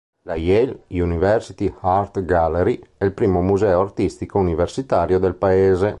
La "Yale University Art Gallery" è il primo museo artistico universitario del Paese.